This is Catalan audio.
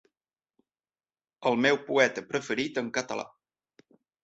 El meu poeta preferit en català.